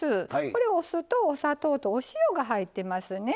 これお酢とお砂糖とお塩が入ってますね。